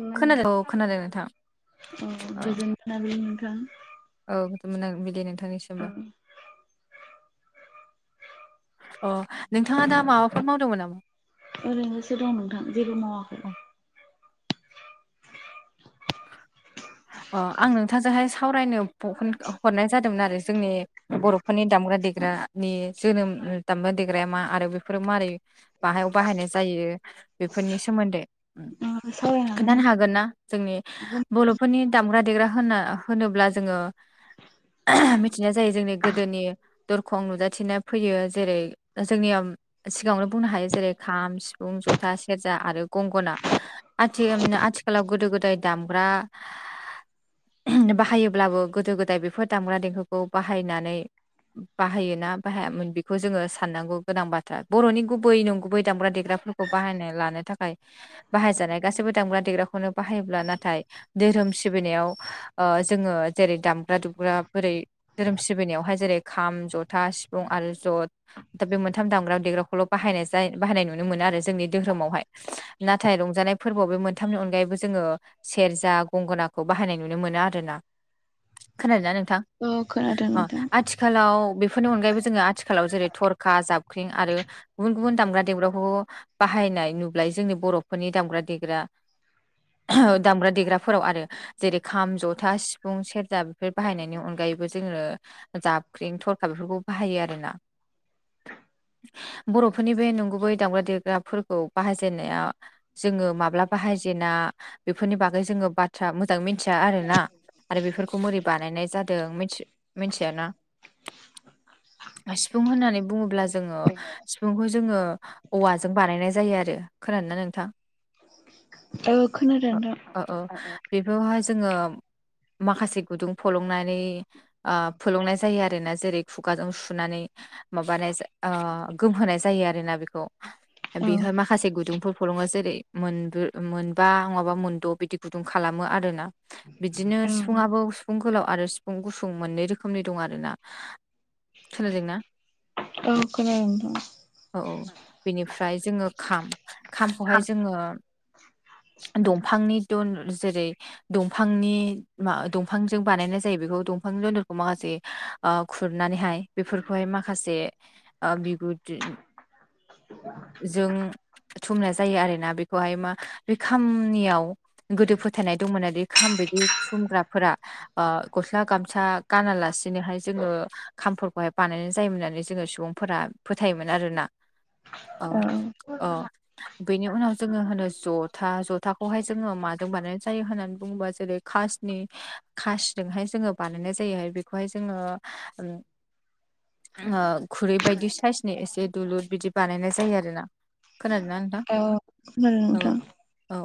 नंगौ नोंथां खोनादों औ खोनादों नोंथां। औ गोजोन मोनिबिलि नोंथां औ गोजोन मोनाबिलि औ नोंथांनिसिमबो अ नोंथाङा दा माबाफोर मावदोंमोन नामा ओरैनोसो दं नोंथां जेबो मावाखै अ आं नोंथांजोंहाय सावरायनो [unintelligible] हरनाय जादोंमोन आरो जोंनि बर'फोरनि दामग्रा देग्रानि जोनोम दामग्रा देग्राया मा आरो बेफोरो मारै बाहायाव बाहायनाय जायो बेफोरनि सोमोन्दै ओ सावरायनो खोन्थानो हागोन ना जोंनि हागोन नोंथां हागोन बर'फोरनि दामग्रा देग्रा होननो होनोब्ला जोङो ओह मिथिनाय जायो जोंनि गोदोनि दरखं नुजाथिना फैयो जेरै जोंनि ओम सिगाङावनो बुंनो हायो जेरै खाम सिफुं जथा सेरजा आरो गंगना आथि ओम आथिखालाव गोदो गोदाय दामब्रा ओहोम बायोब्लाबो गोदो गोदाय बेफोर दामग्रा देंखोखौ खौ बाहायनानै बाहायोना बाहायामोन बेखौ जोङो साननांगौ गोनां बाथ्रा बर'नि गुबै नंगुबै दामग्रा देग्राफोरखौ बाहायना लानो थाखाय बाहायजानाय गासैबो दामग्रा देग्राखौनो बाहायोब्ला नाथाय धोरोम सिबिनायाव ओ जोङो जेरै दामग्रा दुबग्रा बोरै धोरोम सिबिनायावहाय जेरै खाम जथा सिफुं आरो जथ दा बे मोनथाम दामग्रा देग्राखौल' बाहायनाय जाय बाहायनाय नुनो मोनो आरो जोंनि धोहोरोमावहाय नाथाय रंजानाय फोरबोआव बे मोनथामनि अनगायैबो जोङो सेरजा गंगोनाखौ बाहायनाय नुनो मोनो आरो ना खोनादोंना नोंथां औ खोनादों ओ नोंथां आथि खालाव बेफोरनि अनगायैबो जोङो आथिखालाव जेरै थरखा जाबख्रिं आरो गुबुन गुबुन दामग्रा देग्राखौ बाहायनाय नुबाय जोंनि बर'फोरनि दामग्रा देग्रा ओ दामग्रा देग्राफोराव आरो जेरै खाम जथा सिफुं सेरजा बेफोर बाहायनायनि अनगायैबो जोङो जाबख्रिं थरखा बेफोरखौ बाहायो आरो ना बर'फोरनि बे नंगुबै दामग्रा देग्राफोरखौ बाहायजेननाया जोङो माब्ला बाहायजेना बेफोरनि बागै जोङो बा थ्रा मोजां मिथिया आरोना आरो बेफोरखौ मोरै बानायनाय जादों मिथि मिनथियाना सिफुं होननानै बुङोब्ला जोङो सिफुंखौ जोङो औवाजों बानायनाय जायो आरो खोनादोंना नोंथां औ खोनादों नोथां ओ ओ बेफोरहाय जोङो माखासे गुदुं फलंनानै आ फोलुंनाय जायो आरो ना जेरै खुगाजों सुनानै माबानाय ओ गोमहोनाय जायो आरोना बेखौ औ बेहाय माखासे गुदुं फुलुङो जेरै मोनदु मोनबा नङाबा मोनद' बिदि गुदुं खालामो आरोना बिदिनो सिफुंयाबो सिफुं गोलाव आरो सिफुं गुसुं मोननै रोखोमनि दं आरोना खोनादोंना? औ खोनादों नोंथां [inaudible] औ औ बिनिफ्राय जोङो खाम खामखौहाय जोङो दंफांनि दन जेरै दंफांनि मा दंफांजों बानायनाय जायो बेखौ दंफां [unintelligible] माखासे ओ खुरनानैहाय बेफोरखौहाय माखासे ओ बिगुर [unintelligible] जों धुमनाय जायो आरोना बे खौहाय मा बे खामनियाव गोदो फोथायनाय दंमोन बे खाम बायदि धुमग्राफोरा ओ गस्ला गामसा गानालासिनोहाय जोङो खामफोरखौहाय बानायनाय जायोमोन होननानै जोङो सुबुं फोरा फोथायोमोन आरोना [inaudible] ओ ओ बिनि उनाव जोङो होनो ज जथा जथाखौहाय जोङो माजों बानायनाय जायो होननानै बुङोबा जेरै कासनि कासजोंहाय जोङो बानायनाय जायोहाय बेखौहाय जोङो ओम [inaudible] [unintelligible] खुरै बायदि साइसनि एसे दुलुर बिदि बानायनाय जायो आरोना‌ खोनादोंना औ औ नोंथां? खोनादों नोंथां [unintelligible] औ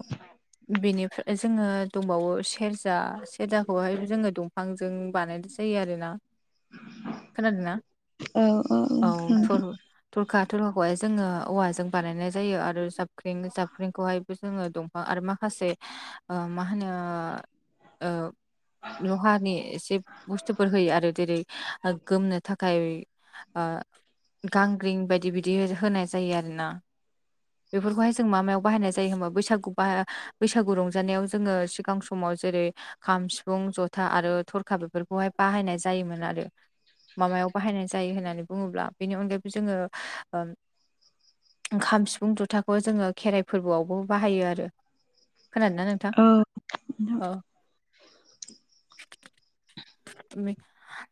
बिनिफ्राय जोङो दंबावो सेरजा सेरजाखौहाय जोङो दं फांजों बानायनाय जायो आरोना खोनादोंना औ औ नोंथां थुर थुरखा थुरखाखौहाय जोङो औवाजों बानायनाय जायो आरो जाबख्रि जाबख्रिंखौहाय जोङो दंफां आरो माखासे ओ मा होनो ओ लहानि एसे बुस्थुफोर होयो आरो जेरै गोमनो थाखाय। ओ गांग्रिं बायदि बिदि होनाय जायो आरोना। बेफोरखौहाय जों मा मायाव बाहायनाय जाय यो होमबा बैसागु बाह बैसागु रंजानायाव जोङो सिगां समाव जेरै खाम सिफुं जथा आरो थरखा बेफोरखौहाय बाहायनाय जायोमोन आरो। माबायाव बाहायनाय जायो होननानै बुङोब्ला बेनि अनगायैबो जोङो ओम ओंखाम सिफुं जुथाखौ जोङो खेराइ फोरबोआवबो बाहायो आरो खोनादोंना नोंथां औ नोंथां अ [unintelligible]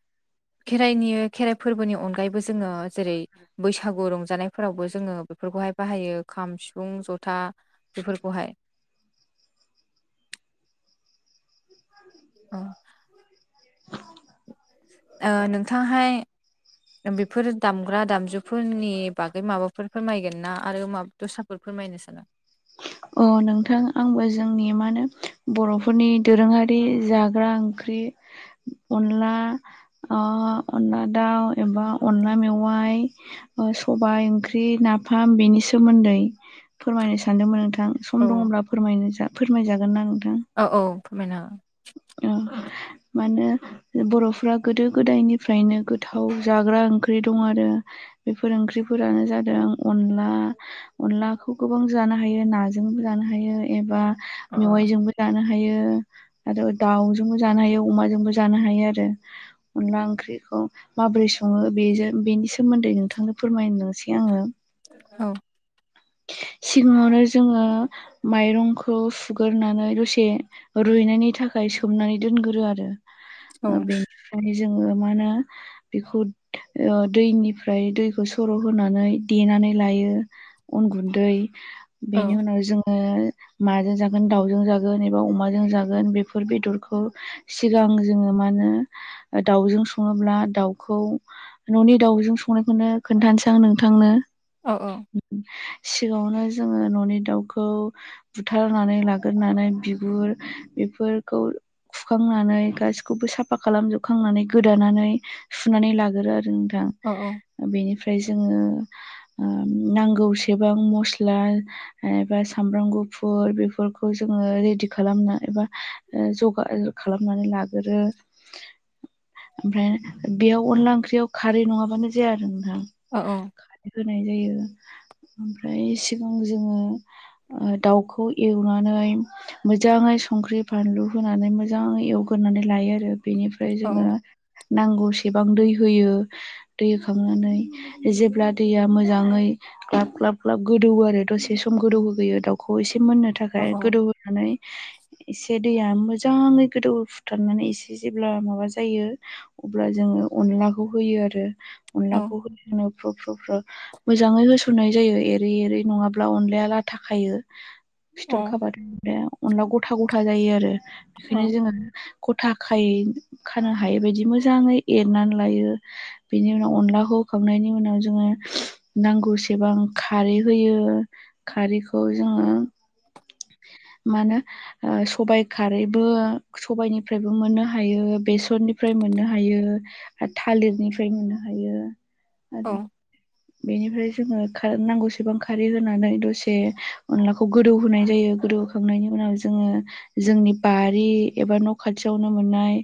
खेराइनि खेराइ फोरबोनि अनगायैबो जोङो जेरै बैसागु रंजानाय फोरावबो जोङो बेफोरखौहाय बाहायो खाम सिफुं जथा बेफोरखौहाय अ [inaudible] ओ नोंथाङाहाय बेफोर दामग्रा दामजुफोरनि बागै माबाफोर फोयगोन ना आरो मा दस्राफोर फोरमायनो साना अ नोंथां आंबो जोंनि मा होनो बर'फोरनि दोरोङारि जाग्रा ओंख ख्रि अनला आ अनला दाउ एबा अनला मेउयाइ ओ सबाय ओंख्रि नाफाम बेनि सोमोन्दै फोरमायनो स सानदोंमोन नोंथां सम औ दङब्ला फोरमायजागोन ना नोंथां औ औ फोरमायना ओ मानो बर'फोरा गोदो गोदायनिफ्रायनो गोथाव जाग्रा ओंख्रि दं आरो। बेफोर ओंख्रिफोरानो जादों अनला अनलाखौ गोबां जानो हायो नाजोंबो जानो हायो एबा हागोन मेवाइजोंबो जानो हायो। आरो दाउजोंबो जानो हायो अमाजोंबो जानो हायो आरो अनला ओंख्रिखौ। माबोरै सङो बेजों बेनि सोमोन्दै नोंथांनो फोरमायनोसै आंङो। औ। सिगाङावनो जोङो माइरंखौ सुग्रोनानै दसे। रुइनायनि थाखाय सोमनानै दोनग्रो आरो बे फ्राय जोङो मा होनो बीखौ ओ दैनिफ्राय दैखौ सर' होनानै देनानै लायो उन गुन्दै औ बेनि उनाव जोङो माजों जागोन दाउजों जागोन एबा अमाजों जागोन बेफोर बेदरखौ सिगां जोङो मा होनो दाउजों सङोब्ला दाउखौ न'नि दाउजों संनायखौनो खोन्थानसां नोंथांनो औ औ सिगाङावनो जोङो न'नि दाउखौ बुथारनानै लाग्रोनानै बिगुर बेफोरखौ खुखांनानै गासैखौबो साफा खालामजोबखांनानै गोदानानै सुनानै लाग्रो आरो नोंथां। अ औ। ओ बेनिफ्राय जोङो ओ नांगौसेबां मस्ला एबा सामब्राम गुफुर बेफोरखौ जोङो रेडि खालामना एबा ओ जगार खालामनानै लाग्रो। ओमफ्राय बेयाव अनला ओंख्रियाव खारै नङाबानो जाया आरो नोंथां। अ औ। होनाय जायो। ओमफ्राय सिगां जोङो ओ दाउखौ एवनानै मोजाङै संख्रि बानलु होनानै मोजाङै एवग्रोनानै लायो आरो बेनिफ्राय फ्राय औ जोङो नांगौसेबां दै होयो। दै होखांनानै जेब्ला दैया मोजाङै ग्लाब ग्लाब ग्लाब गोदौवो आरो दसे सम गोदौ होगोयो दाउखौ एसे मोननो औ थाखाय औ गोदौ नानै एसे दैया मोजाङै गोदौ फुथारनानै एसे जेब्ला माबा जायो। अब्ला जोङो अनलाखौ होयो आरो। अनलाखौ होनो फ्र फ्र फ्र मोजाङै होस रुनाय जायो एरै एरै नङाब्ला अनलाया लाथा खायो फिथर खाबाथ' अनलाया अनला गथा गथा जायो आरो औ बेखायनो जोङो गथा खायै खानो हायैबायदि मोजाङै एरनानै लायो। बेनि उनाव अनलाखौ होखांनायनि उनाव जोङो नांगौ सेबां खारि होयो खारिखौ जोङो मानो ओ सबाइ खारैबो सबाइनिफ्रायबो मोनो हायो बेसरनिफ्राय मोनो हायो। थालिरनिफ्राय मोननो हायो औ आरो बेनिफ्राय जोङो खार नांगौसेबां खारै होनानै दसे अनलाखौ गोदौ होनाय जा दै रुग्रुखांनायनि उनाव जोङो जोंनि बारि एबा न खाथियावनो मोननाय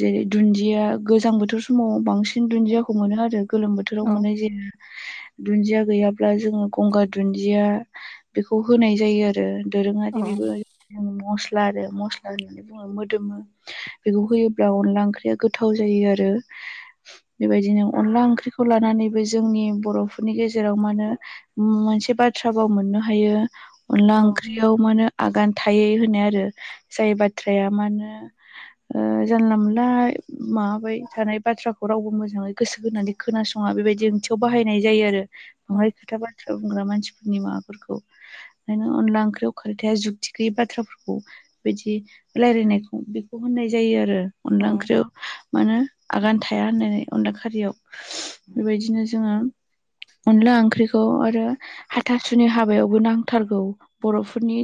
जेरै दुन्दिया गोजां बोथोर समाव बांसिन दुन्दियाखौ मोनो आरो। गोलोम बोथोराव मोननाय जाया। दुन्दिया गैयाब्ला जोङो गंगार दुन्दिया बेखौ होनाय जायो आरो। दोरोङारि बिबो मस्ला आरो मस्ला बो मोदोमो बेखौ होयोब्ला अनला ओंख्रिया गोथाव जायो आरो। बेबायदिनो अनला ओंख्रिखौ लानानैबो जोंनि बर'फोरनि गेजेराव मा नो मोनसे बाथ्रा भाव मोननो हायो औ अनला ओं खियाव मोनो आगान थायै होननाय आरो जाय बाथ्राया मानो ओ जानला मोनला माबाबाय थानाय बाथ्राखौ रावबो मोजाङै गोसो होनानै खोनासङा बेबायदि ओंथियाव बाहायनाय जायो आरो। ओमफाय खोथा बाथ्रा बुंग्रा मानसिफोरनि माबाफोरखौ ओंखायनो अनला ओंख्रियाव खोनथाया जुक्ति गैयै बाथ्राफोरखौ बिदि लायरायनायखौ बेखौ होननाय जायो आरो अनला ओंख्रियाव। मानो आगान थाया होननानै अनला खारियाव बेबायदिनो जोङो अनला ओंख्रिखौ आरो हाथासुनि हाबायावबो नांथारगौ। बर'फोरनि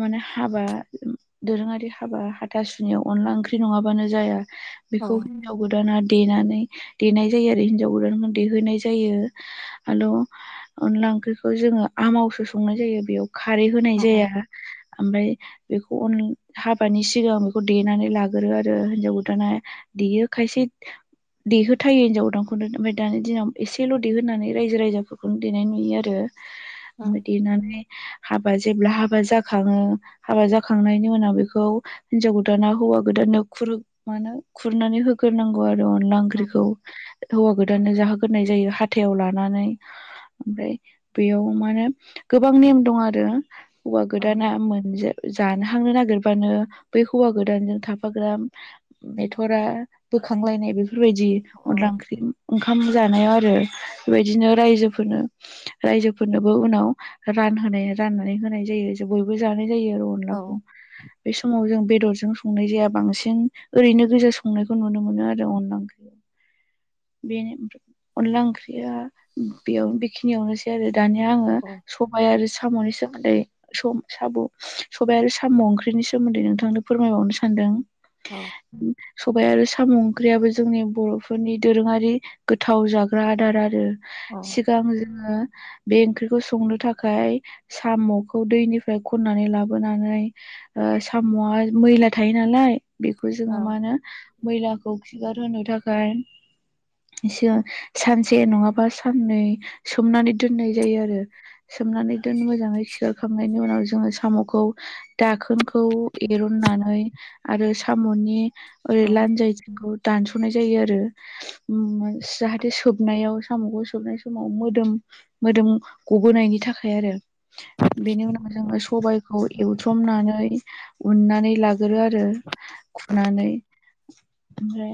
माने हाबा दोरोङारि हाबा हाथासुनियाव अनला ओंख्रि नङाबानो जाया बेखौ हिन्जाव गोदाना देनानै देनाय जायो आरो हिन्जाव गोदानखौ देहोनाय जायो। आलु अनला ओंख्रिखौ जोङो आमावसो संनाय जायो बेयाव खारै होनाय जाया। ओमफाय बेखौ अन हाबानि सिगां बेखौ देनानै लाग्रोयो आरो हिनजाव गोदाना‌। देयो खायसे देहोथायो हिन्जाव गोदानखौनो ओमफाय दानि दिनाव एसेल देहोनानै रायजो राजाफोरखौनो देनाय नुयो आरो। ओमफाय देनानै हाबा जेब्ला हाबा जाखाङो हाबा जाखांनायनि उनाव बेखौ हिन्जाव गोदाना हौवा गोदाननो खुर मानो खुरनानै होग्रोनांगौ आरो अनला औ ओंख्रिखौ। हौवा गोदाननो जाहोग्रोनाय जायो हाथायाव लानानै। ओमफ्राय बेयाव माने गोबां नेम दं आ रो हौवा गोदाना मोनजा जानो हांनो नागिरबानो बै हौवा गोदानजों थाफाग्रा मेथरा बोखांलायनाय बेफोरबायदि औ अनला औ ओंख्रि ओंखाम जानायाव आरो बेबायदिनो रायजोफोरनो रायजोफोरनोबो उनाव रान होनाय आरो राननानै होनाय जायो बयबो जानाय जायो आरो औ अनलाखौ बे समाव जों बेदरजों संनाय जाया बांसिन ओरैनो गोजा संनायखौ नुनो मोनो आरो अनला ओंख्रियाव। बेनो अनला ओंख्रिया बेयाव बेखिनियावनोसै आरो दानिया आङो औ सबाय आरो साम'नि सोमोन्दै साम' सबाय आरो साम' ओंख्रिनि सोमोन्दै नोंथांनो फोरमायबावनो सानदों। औ सबाय आरो साम' ओंख्रियाबो जोंनि बर'फोरनि दोरोङारि गोथाव जाग्रा आदार आरो। औ सिगां जोङो बे ओंख्रिखौ संनो थाखाय साम'खौ दैनिफ्राय खन्नानै लाबोनानै ओ साम'आ मैला थायो नालाय बेखौ औ जोङो मा होनो मैलाखौ खिगार होनो थाखाय एसे सानसे नङाबा साननै सोमनानै दोननाय जायो आरो सोमनानै दोम मोजाङै खिगारखांनायनि उनाव जोङो साम'खौ दाखोनखौ एर'ननानै आरो साम'नि ओरै औ लान्जाइखौ दानस'नाय जायो आरो। जाहाथे सोबनायाव साम'खौ सोबनाय समाव मोदोम मोदोम गबोनायनि थाखाय आरो बेनि उनाव जोङो सबायखौ एवथ्रमनानै उननानै लाग गोरो आरो खुनानै ओमफ्राय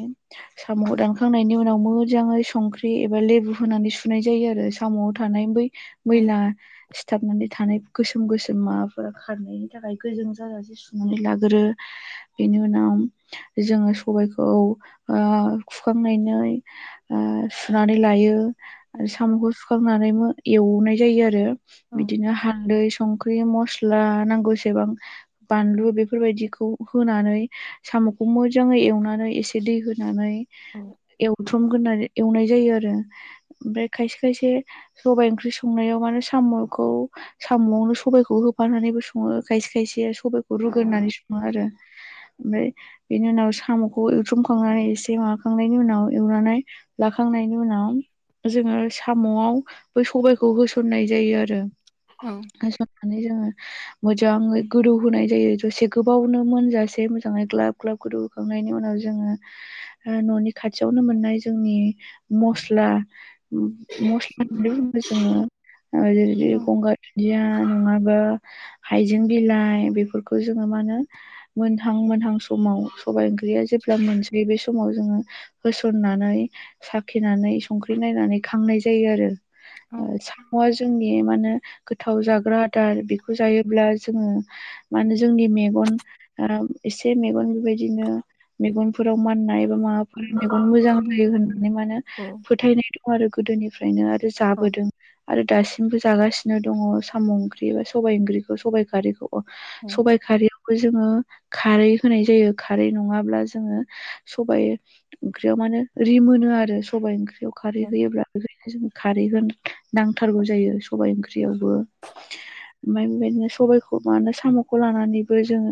साम'खौ दानखांनायनि उनाव मोजाङै संख्रि एबा लेबु होनानै सुनाय जायो आरो साम'आव थानाय बै औ मैला सिथाबनानै थानाय गोसोम गोसोम माबाफोरा खारनायनि थाखाय गोजों जाजासे सुनानै लागोरो बेनि उनाव जोङो सबायखौ ओ खुखांनानै ओ सुनानै लायो। आरो साम'खौ सुखांनानैबो एवनाय जायो आरो बिदिनो हालदै संख्रि मस्ला नांगौसेबां बानलु बेफोरबायदिखौ होनानै साम'खौ मोजाङै एवनानै एसे दै होनानै औ एवथ्रमग्रोनानै एवनाय जायो आरो। ओमफ्राय खायसे खायसे सबाइ ओंख्रि संनायाव मानो साम' खौ साम'आवनो सबायखौ होफानानैबो सङो खायसे खायसे सबाइखौ रुगोरनानै सं ङो आरो ओमफ्राय बेनि उनाव साम'खौ एवथ्रुमखांनानै एसे माबाखांनायनि उनाव एवनानै लाखांनायनि उनाव जोङो साम'आव बै सबाइखौ होसननाय जायो आरो। होसननानै जोङो मोजाङै गोदौ होनाय जायो जसे गोबावनो मोनजासे मोजाङै ग्लाब ग्लाब गोदौ खुंखांनायनि उनाव जोङो ओ न'नि खाथियावनो मोननाय जोंनि मस्ला मस्ला खौनो [unintelligible] जोङो गंगार दुन्दिया [unintelligible] नङाबा हाइजें बिलाइ बेफोरखौ जोङो मा होनो मोनहां मोनहां समाव सबाय ओं ख्रिया जेब्ला मोनसै बे समाव जोङो होसननानै साखिनानै संख्रि नायनानै खांनाय जायो आरो। अ साम'आ जोंनि माहोनो गोथाव जाग्रा आदार बेखौ जायोब्ला जोङो माहोनो जोंनि मेगन ओ एसे मेगन बेबायदिनो मेगनफोराव माननाय एबा माबाफोर मेगन मोजां जायो होननानै मानो औ फोथायनाय दं आरो गोदोनिफ्रायनो आरो औ जाबोदों आरो दासिमबो जागासिनो। बिदिनो दङ साम' ओंख्रि बा सबाय ओंख्रिखौ सबाय खारैखौ औ सबाय खारैखौबो जोङो खारै होनाय जायो खारै नङाब्ला जोङो सबाइ ओंख्रियाव माने रि मोनो आरो सबाइ ओंख्रियाव। खारै औ होयोब्ला बेखायनो जोंनो खारै होन नांथारगौ जायो सबाय ओं ख्रि यावबो ओमफ्राय बेबायदिनो सबायखौ मा होनो साम'खौ लानानैबो जोङो